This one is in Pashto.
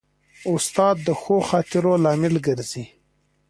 استاد د ښو خاطرو لامل ګرځي.